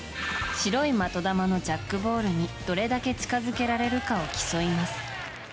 白い的球のジャックボールにどれだけ近づけられるかを競います。